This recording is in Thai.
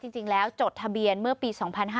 จริงแล้วจดทะเบียนเมื่อปี๒๕๕๙